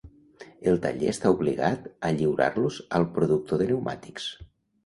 El taller està obligat a lliurar-los al productor de pneumàtics.